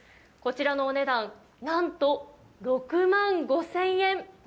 こちらのお値段、なんと６万５０００円。